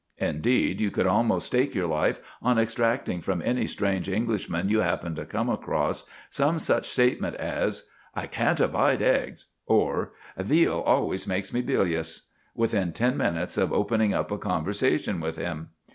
Indeed, you could almost stake your life on extracting from any strange Englishman you happen to come across some such statement as, "I can't abide eggs," or, "Veal always makes me bilious," within ten minutes of opening up a conversation with him.